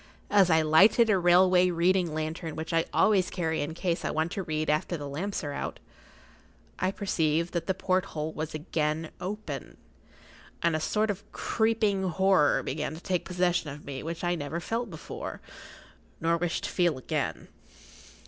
As I lighted a railway reading lantern which I[Pg 46] always carry in case I want to read after the lamps are out, I perceived that the porthole was again open, and a sort of creeping horror began to take possession of me which I never felt before, nor wish to feel again.